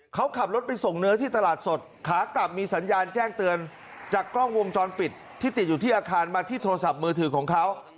เขาขับรถไปส่งเนื้อที่ตลาดสดขากลับมีสัญญาณแจ้งเตือนจากกล้องวงจรปิดที่ติดอยู่ที่อาคารมาที่โทรศัพท์มือถือของเขา